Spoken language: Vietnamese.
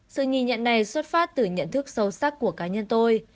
sự nhìn nhận này xuất phát từ nhận thức sâu sắc của cá nhân tôi